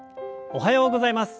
おはようございます。